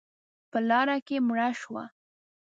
_په لاره کې مړه شوه.